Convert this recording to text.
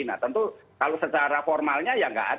nah tentu kalau secara formalnya ya nggak ada